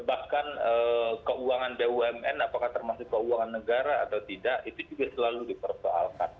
bahkan keuangan bumn apakah termasuk keuangan negara atau tidak itu juga selalu dipersoalkan